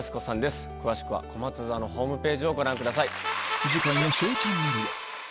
詳しくはこまつ座のホームページをご覧ください。